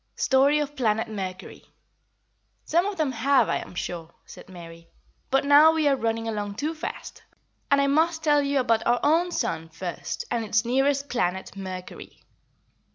STORY OF PLANET MERCURY. "Some of them have, I am sure," said Mary. "But now we are running along too fast, and I must tell you about our own sun first, and its nearest planet Mercury.